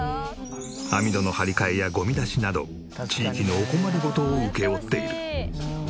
網戸の張り替えやゴミ出しなど地域のお困り事を請け負っている。